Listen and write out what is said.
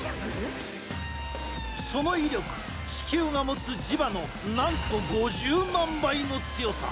その威力、地球が持つ磁場のなんと５０万倍の強さ。